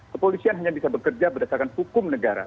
kepolisian hanya bisa bekerja berdasarkan hukum negara